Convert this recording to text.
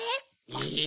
え！